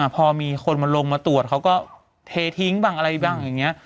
พอมีคนมาลงมาตรวจเขาก็เททิ้งบ้างอะไรบ้างอย่างนี้